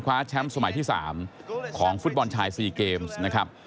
คว้าแชมป์สมัยที่สามของฟุตบอลชายซีเกมส์นะครับ